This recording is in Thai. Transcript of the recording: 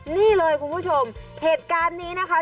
นี่เลยคุณผู้ชมเหตุการณ์นี้นะคะ